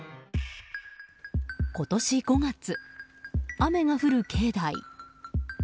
今年５月、雨が降る境内。